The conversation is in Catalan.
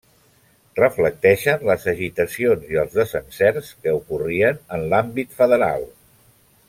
Reflecteixen les agitacions i els desencerts que ocorrien en l'àmbit federal.